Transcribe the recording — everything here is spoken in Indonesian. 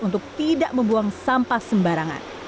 untuk tidak membuang sampah sembarangan